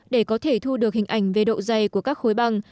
để có thể thu được hình ảnh về độ dày của các khối băng